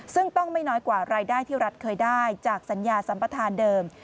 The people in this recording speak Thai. ซึ่งต้องไม่น้อยกว่ารายได้ที่รัฐเคยได้จากสัญญาสัมปทานเดิม